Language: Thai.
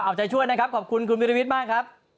เอาใจช่วยนะครับขอบคุณคุณวิรวิทย์มากครับ